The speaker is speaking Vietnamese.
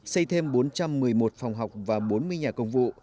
xây thêm bốn trăm một mươi một phòng học và bốn mươi nhà công vụ